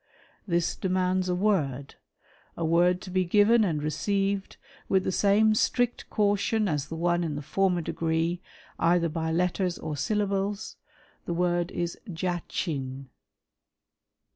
This demands a word; a word to be given and " received with the same strict caution as the one in the former " degree, either by letters or syllables. The word is Jachin.